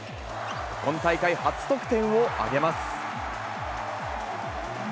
今大会初得点を挙げます。